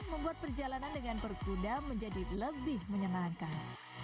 membuat perjalanan dengan berkuda menjadi lebih menyenangkan